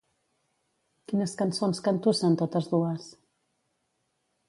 Quines cançons cantussen totes dues?